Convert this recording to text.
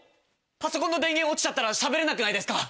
パソコンの電源落ちちゃったらしゃべれなくないですか？